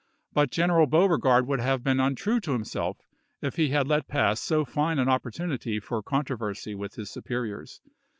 But General Beaure gard would have been untrue to himself if he had let pass so fine an opportunity for controversy with his superiors.